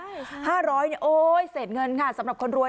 ๕๐๐บาทเสร็จเงินค่ะสำหรับคนรวย